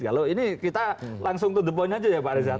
kalau ini kita langsung to the point aja ya pak reza